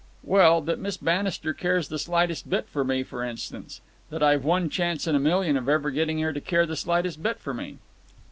"Well, that Miss Bannister cares the slightest bit for me, for instance; that I've one chance in a million of ever getting her to care the slightest bit for me?"